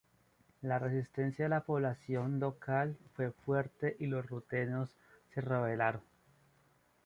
La resistencia de la población local fue fuerte y los rutenos se rebelaron.